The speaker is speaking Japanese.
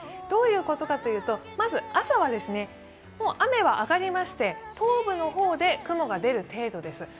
どういうことかというと、まず朝はもう雨は上がりまして、東部の方で雲が出る程度です。